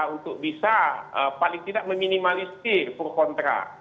untuk bisa paling tidak meminimalisir pro kontra